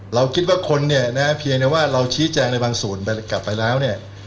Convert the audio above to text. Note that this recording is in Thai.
เราคิดว่าคนเนี่ยนะเพียงแต่ว่าเราชี้แจงในบางส่วนกลับไปแล้วเนี่ย